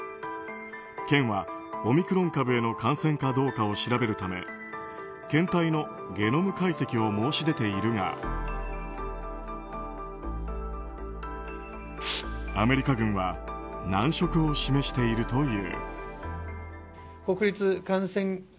県は、オミクロン株への感染かどうかを調べるため検体のゲノム解析を申し出ているがアメリカ軍は難色を示しているという。